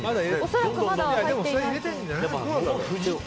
恐らくまだ入ってないです。